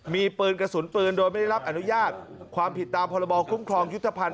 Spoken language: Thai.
มีปืนกระสุนปืนโดยไม่ได้รับอนุญาตความผิดตามพรบคุ้มครองยุทธภัณฑ